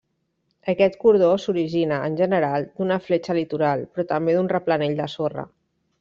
Aquest cordó s'origina -en general- d'una fletxa litoral, però també d'un replanell de sorra.